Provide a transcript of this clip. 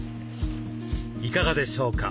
いかがでしょうか？